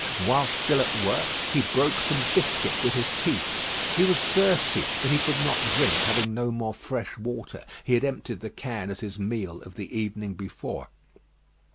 While still at work, he broke some biscuit with his teeth. He was thirsty, but he could not drink, having no more fresh water. He had emptied the can at his meal of the evening before.